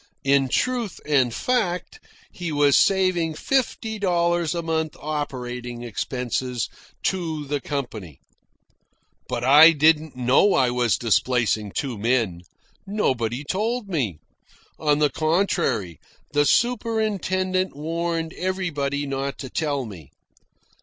In truth and fact, he was saving fifty dollars a month operating expenses to the company. But I didn't know I was displacing two men. Nobody told me. On the contrary, the superintendent warned everybody not to tell me.